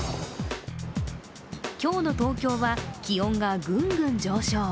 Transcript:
今日の東京は、気温がグングン上昇。